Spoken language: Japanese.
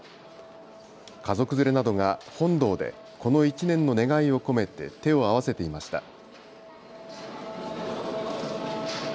家族連れなどが本堂でこの１年の願いを込めて手を合わせていました。